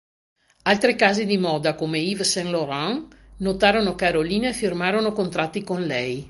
Altre case di moda, come Yves Saint-Laurent notarono Karolína e firmarono contratti con lei.